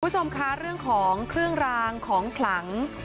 คุณผู้ชมคะเรื่องของเครื่องรางของขลัง